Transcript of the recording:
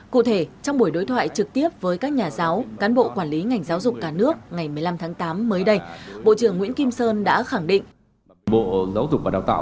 cụ thể trong buổi đối thoại trực tiếp với các nhà giáo cán bộ quản lý ngành giáo dục cả nước ngày một mươi năm tháng tám mới đây bộ trưởng nguyễn kim sơn đã khẳng định